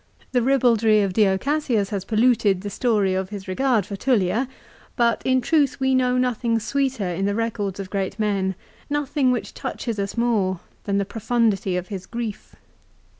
The ribaldry of Dio Cassius has polluted the story of his regard for Tullia; but in truth we know nothing sweeter in the records of great men, nothing which touches us more, than the profundity of his grief.